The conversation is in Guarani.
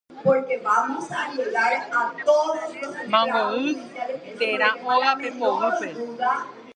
Mangoguy térã óga pepoguýpe